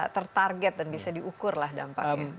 tertarget dan bisa diukur lah dampaknya